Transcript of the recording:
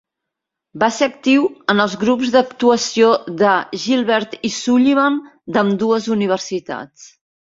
Va ser actiu en els grups d'actuació de Gilbert i Sullivan d'ambdues universitats.